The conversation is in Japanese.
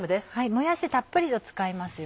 もやしたっぷりと使いますよ。